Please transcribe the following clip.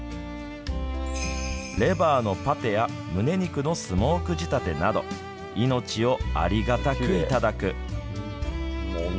レバーのパテやむね肉のスモーク仕立てなど命をありがたくいただく。